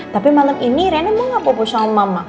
tapi malem ini rena mau gak bawa bawa sama mama